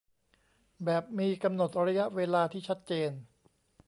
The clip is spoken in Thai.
แบบมีกำหนดระยะเวลาที่ชัดเจน